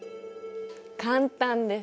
簡単です！